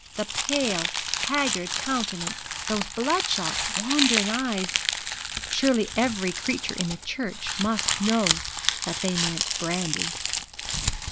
That pale haggard countenance, those bloodshot, wandering eyes, surely every creature in the church must know that they meant brandy!